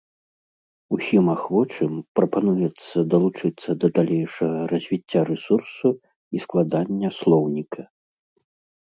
Усім ахвочым прапануецца далучыцца да далейшага развіцця рэсурсу і складання слоўніка.